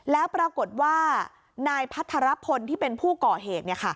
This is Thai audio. แล้วปรากฏว่านายพัทรพลที่เป็นผู้ก่อเหตุ